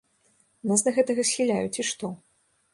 Нас да гэтага схіляюць і што?